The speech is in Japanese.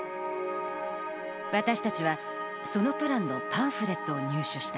私たちは、そのプランのパンフレットを入手した。